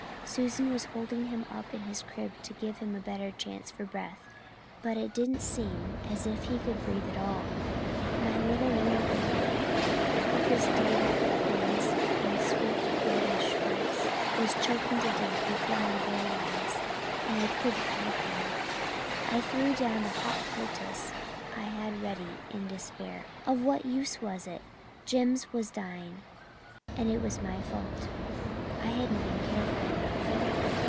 Susan was holding him up in his crib to give him a better chance for breath, but it didn't seem as if he could breathe at all. My little war baby, with his dear ways and sweet roguish face, was choking to death before my very eyes, and I couldn't help him. I threw down the hot poultice I had ready in despair. Of what use was it? Jims was dying, and it was my fault I hadn't been careful enough!